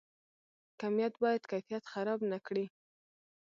کمیت باید کیفیت خراب نکړي